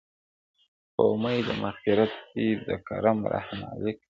• په اُمید د مغفرت دي د کرم رحم مالِکه..